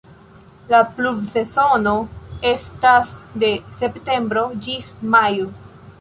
La pluvsezono estas de septembro ĝis majo.